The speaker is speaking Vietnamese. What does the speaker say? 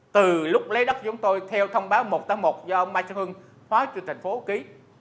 từ lúc lấy đất giống tôi theo thông báo một trăm tám mươi một do ông mai trân hưng phó cho thành phố ký